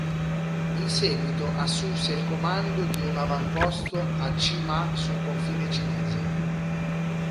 In seguito assunse il comando di un avamposto a Chi Ma sul confine cinese.